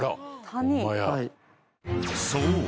［そう。